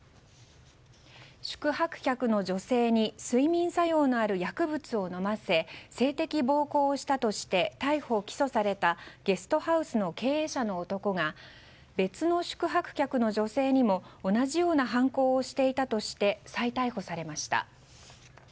宿泊客の女性に睡眠作用のある薬物を飲ませ性的暴行をしたとして逮捕・起訴されたゲストハウスの経営者の男が別の宿泊客の女性にも同じような犯行をしていたとして再逮捕されました。